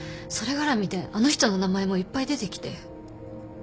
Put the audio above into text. それ絡みであの人の名前もいっぱい出てきて。